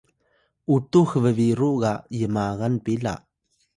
utux bbiru ga magan pila